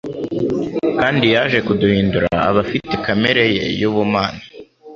Kandi yaje kuduhindura abafite kamere ye y'Ubumana.